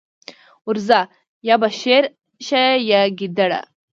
ورځه! يا به شېر شې يا ګيدړه.